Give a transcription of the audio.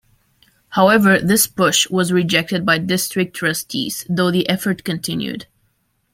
However, this push was rejected by district trustees, though the effort continued.